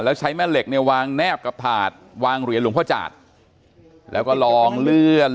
แล้วใช้แม่เหล็กเนี่ยวางแนบกับถาดวางเหรียญหลวงพ่อจาดแล้วก็ลองเลื่อน